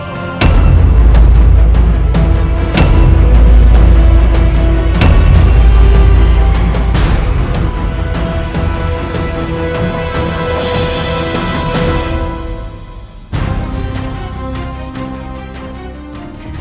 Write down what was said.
kanda tidak akan mengambil kekuatan